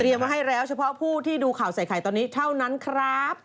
ไว้ให้แล้วเฉพาะผู้ที่ดูข่าวใส่ไข่ตอนนี้เท่านั้นครับ